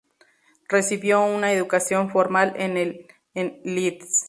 Recibió una educación formal en el en Leeds.